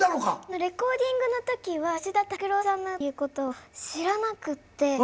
レコーディングの時は吉田拓郎さんの歌っていうことを知らなくって。